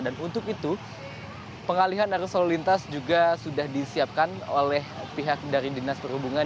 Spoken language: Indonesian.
dan untuk itu pengalihan arus lalu lintas juga sudah disiapkan oleh pihak dari dinas perhubungan